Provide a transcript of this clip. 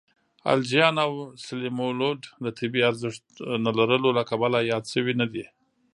الجیان او سلیمولد د طبی ارزښت نه لرلو له کبله یاد شوي نه دي.